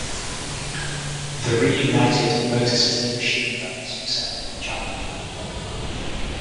The reunited Motor City Machine Guns accepted the challenge and won the match.